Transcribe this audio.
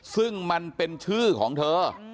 ซึ่งมันเป็นชื่อของเธอ